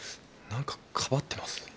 何かかばってます？